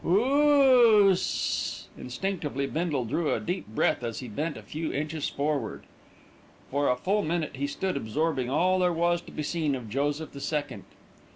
"Ooooooosssss." Instinctively Bindle drew a deep breath as he bent a few inches forward. For fully a minute he stood absorbing all there was to be seen of Joseph the Second.